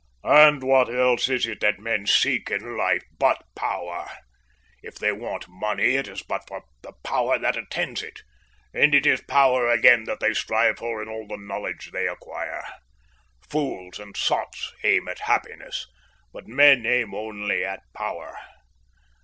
"And what else is it that men seek in life but power? If they want money, it is but for the power that attends it, and it is power again that they strive for in all the knowledge they acquire. Fools and sots aim at happiness, but men aim only at power.